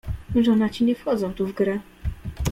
"Żonaci nie wchodzą tu w grę."